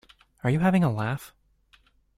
Are you having a laugh?